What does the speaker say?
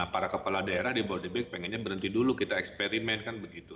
para kepala daerah di bodebek pengennya berhenti dulu kita eksperimen kan begitu